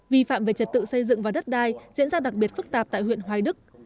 vi phạm về trật tự xây dựng và đất đai diễn ra đặc biệt phức tạp tại huyện hoài đức